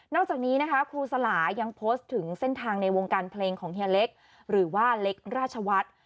จากนี้นะคะครูสลายังโพสต์ถึงเส้นทางในวงการเพลงของเฮียเล็กหรือว่าเล็กราชวัฒน์